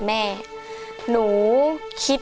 ขอบคุณมากครับ